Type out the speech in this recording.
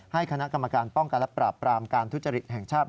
คณะกรรมการป้องกันและปราบปรามการทุจริตแห่งชาติ